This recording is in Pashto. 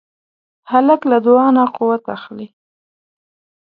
هلک له دعا نه قوت اخلي.